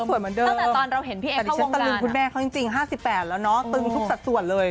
ก็สวยเหมือนเดิมตอนเราเห็นพี่เอ๊ะเข้าวงการตอนนี้ฉันลืมคุณแม่เขาจริง๕๘แล้วเนาะตึงทุกสักส่วนเลย